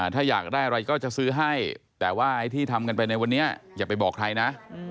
ถ้าอยากได้อะไรก็จะซื้อให้แต่ว่าไอ้ที่ทำกันไปในวันนี้อย่าไปบอกใครนะ